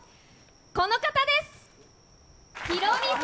この方です。